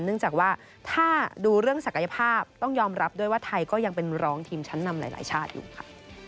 เนื่องจากว่าถ้าดูเรื่องศักยภาพต้องยอมรับด้วยว่าไทยก็ยังเป็นร้องทีมชั้นนำหลายชาติอยู่ค่ะ